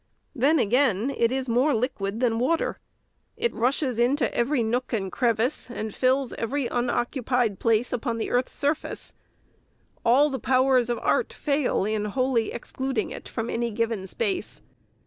Then, again, it is more liquid than water. It rushes into every nook and crevice, and fills every unoccupied place upon the earth's surface. All the powers of art fail in wholly excluding it from any given space.